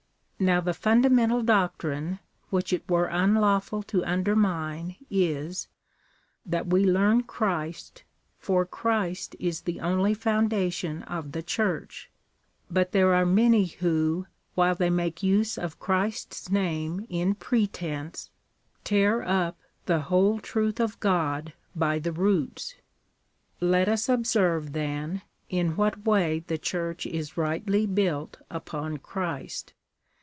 Now the fundamental doctrine, which it were unlawful to under mine, is, that we learn Christ, for Christ is the only founda tion of the Church ; but there are many . who, while they make use of Christ's name in pretence, tear up the whole truth of God by the roots.^ ^ Let us observe, then, in what way the Church is rightly built upon Christ.